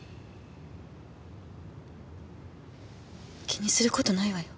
気にする事ないわよ。